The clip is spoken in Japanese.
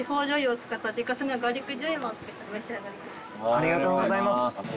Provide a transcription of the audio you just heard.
ありがとうございます。